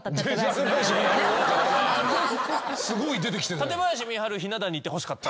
すごい出てきてた。